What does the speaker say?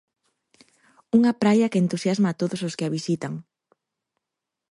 Unha praia que entusiasma a todos os que a visitan.